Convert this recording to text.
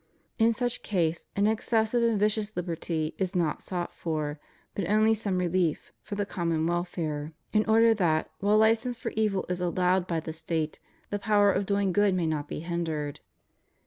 In such case an exces sive and vicious liberty is not sought for, but only some relief, for the common welfare, in order that, while license 182 HUMAN LIBERTY. for evil is allowed by the State, the power of doing good may not be hindered.